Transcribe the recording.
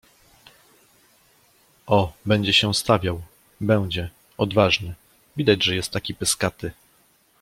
Ooo! Będzie się stawiał. Będzie. Odważny. Widać, że jest taki pyskaty.